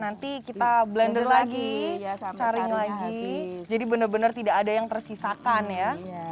nanti kita blender lagi sharing lagi jadi benar benar tidak ada yang tersisakan ya